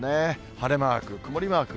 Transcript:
晴れマーク、曇りマーク。